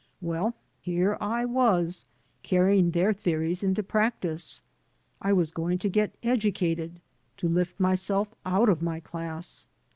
Well, here I was carrying their theories into practice. I was going to get educated, to lift myself out of my class.